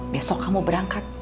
besok kamu berangkat